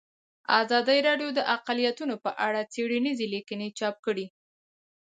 ازادي راډیو د اقلیتونه په اړه څېړنیزې لیکنې چاپ کړي.